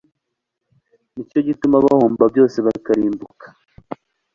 Ni cyo gituma bahomba byose bakarimbuka